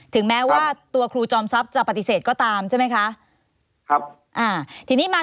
ถึงแม้ว่าตัวครูจอมทรัพย์จะปฏิเสธก็ตามใช่ไหมคะ